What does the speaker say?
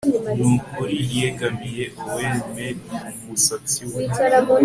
Nukuri yegamiye oer me umusatsi we